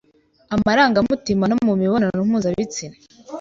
amarangamutima no mu mibonano mpuzabitsina